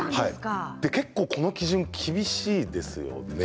この基準、厳しいですよね。